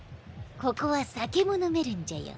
ここは酒も飲めるんじゃよ。